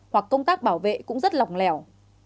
hoặc công tác bảo vệ cũng rất lòng lẻo